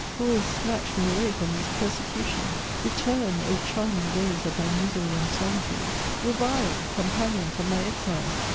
who will snatch me away from these persecutions ? Return ! O charm ing days of my misery and solitude ! Revive ! companions of tsiy exile